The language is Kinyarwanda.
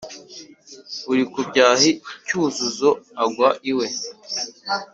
uri ku byahi cyuzuzo anga we